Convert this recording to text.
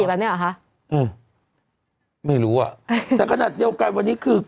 แบบเนี้ยเหรอคะอืมไม่รู้อ่ะแต่ขนาดเดียวกันวันนี้คือ